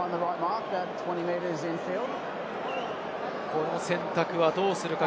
この選択はどうするか？